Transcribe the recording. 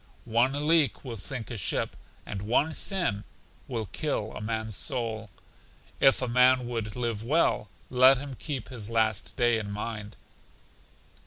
One leak will sink a ship, and one sin will kill a man's soul. If a man would live well, let him keep his last day in mind.